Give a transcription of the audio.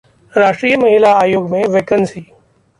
राष्ट्रीय महिला आयोग में वैकेंसी